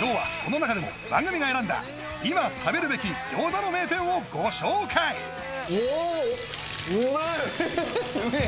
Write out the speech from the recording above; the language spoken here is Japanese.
今日はその中でも番組が選んだ今食べるべき餃子の名店をご紹介おおうめえ！